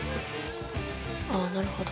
ああなるほど。